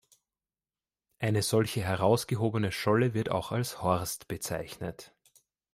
Eine solche herausgehobene Scholle wird auch als Horst bezeichnet.